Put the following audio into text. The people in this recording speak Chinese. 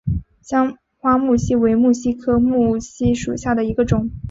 香花木犀为木犀科木犀属下的一个种。